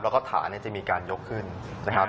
แล้วก็ฐานจะมีการยกขึ้นนะครับ